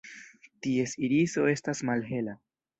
Ties iriso estas malhela.